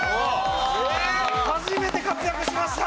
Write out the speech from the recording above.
初めて活躍しました！